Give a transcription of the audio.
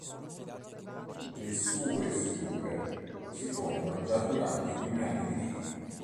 Le sue suture si fondono già durante i primi anni di vita.